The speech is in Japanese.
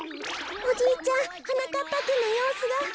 おじいちゃんはなかっぱくんのようすが。